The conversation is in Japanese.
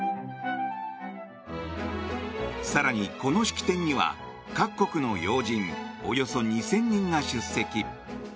更に、この式典には各国の要人およそ２０００人が出席。